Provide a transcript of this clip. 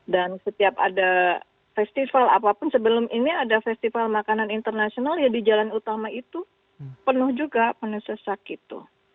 dan setiap ada festival apapun sebelum ini ada festival makanan internasional ya di jalan utama itu penuh juga penuh sesak itu